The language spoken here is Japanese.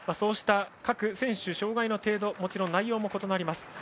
各選手、障がいの程度もちろん内容も異なります。